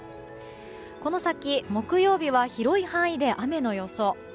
この先、木曜日は広い範囲で雨の予想。